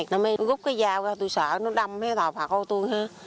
nó mới rút cái dao ra tôi sợ nó đâm thòi phạt hô tôi ha